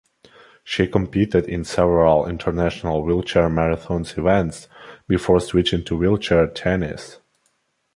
She competed in several international wheelchair marathon events before switching to wheelchair tennis.